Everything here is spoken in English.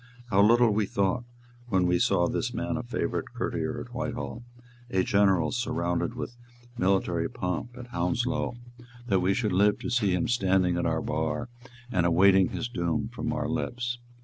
How little we thought, when we saw this man a favourite courtier at Whitehall, a general surrounded with military pomp at Hounslow, that we should live to see him standing at our bar, and awaiting his doom from our lips!